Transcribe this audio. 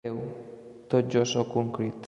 Déu, tot jo soc un crit.